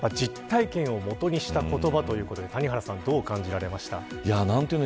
実体験をもとにした言葉ということで谷原さんどう感じられましたか。